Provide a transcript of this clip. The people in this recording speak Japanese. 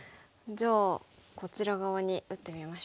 じゃあこちら側に打ってみましょうか。